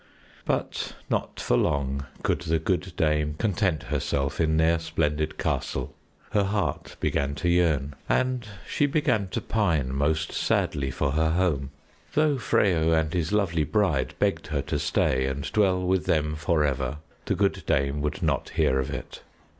But not for long could the good dame content herself in their splendid castle. Her heart began to yearn, and she began to pine most sadly for her home. Though Freyo and his lovely bride begged her to stay and dwell with them forever, the good dame would not hear of it.